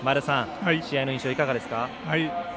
試合の印象いかがですか。